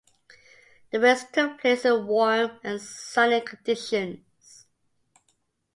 The race took place in warm and sunny conditions.